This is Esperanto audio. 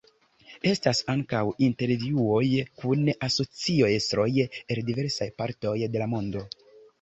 Estas ankaŭ intervjuoj kun asocio-estroj el diversaj partoj de la mondo.